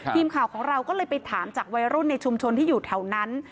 ทีมข่าวของเราก็เลยไปถามจากวัยรุ่นในชุมชนที่อยู่แถวนั้น